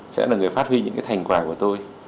sẽ là người phát huy những cái thành quả của tôi